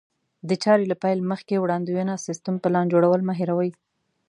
د چارې له پيل مخکې وړاندوینه، سيستم، پلان جوړول مه هېروئ.